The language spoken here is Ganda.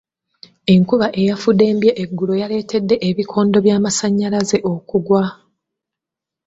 Enkuba eyafuddembye eggulo yaleetedde ebikondo by'amasannyalaze okugwa.